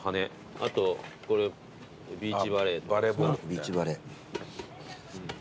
あとこれビーチバレーですか。